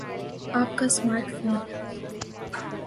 آپ کا smart phone